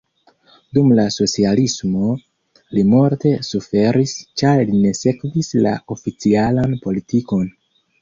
Dum la socialismo li multe suferis, ĉar li ne sekvis la oficialan politikon.